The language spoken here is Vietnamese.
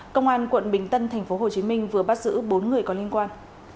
công an quận bình tân tp hcm vừa bắt giữ bốn người có liên quan